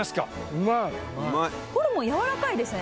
うまいホルモンやわらかいですね